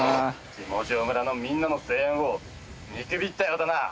下條村のみんなの声援を見くびったようだな。